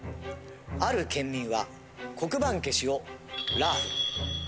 ある県民は黒板消しをラーフル。